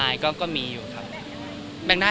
ครับครับครับครับครับครับครับครับครับครับครับครับครับครับ